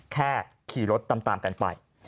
แค่ขี่รถตามกันไป